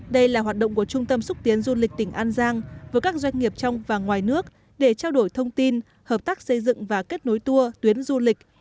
đây là hoạt động của trung tâm xúc tiến du lịch tỉnh an giang với các doanh nghiệp trong và ngoài nước để trao đổi thông tin hợp tác xây dựng và kết nối tour tuyến du lịch